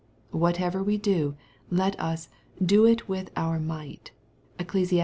Whatever we do, let us " do it with our might." (Eccles.